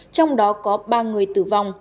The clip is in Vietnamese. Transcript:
trong đó có ba người tử vong